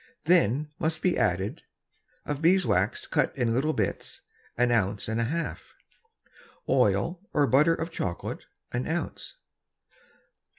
Then must be added, Of Bees Wax cut in little Bits, an Ounce and a half. Oil or Butter of Chocolate, an Ounce.